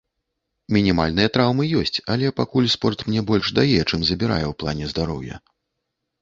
Мінімальныя траўмы ёсць, але пакуль спорт мне больш дае, чым забірае ў плане здароўя.